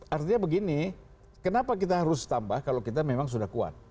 artinya begini kenapa kita harus tambah kalau kita memang sudah kuat